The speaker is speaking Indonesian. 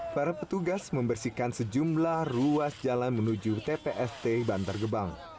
para petugas membersihkan sejumlah ruas jalan menuju tpst bantar gebang